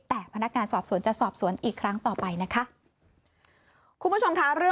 แต่พนักงานสอบสวนจะสอบสวนอีกครั้งต่อไปนะคะ